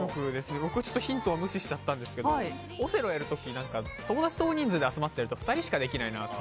僕はヒントを無視しちゃったんですけどオセロをやる時友達と大人数で集まってると２人でしかできないなと。